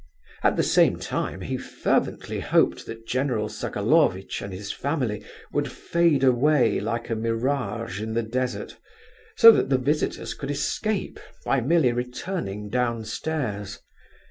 At the same time he fervently hoped that General Sokolovitch and his family would fade away like a mirage in the desert, so that the visitors could escape, by merely returning downstairs.